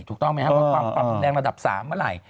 ถูกต้องไหมครับว่าความรุนแรงระดับ๓เมื่อไหร่